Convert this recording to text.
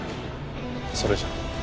それじゃあ。